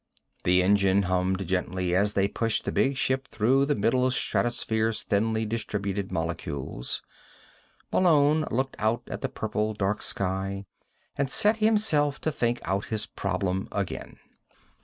The engines hummed gently as they pushed the big ship through the middle stratosphere's thinly distributed molecules. Malone looked out at the purple dark sky and set himself to think out his problem again.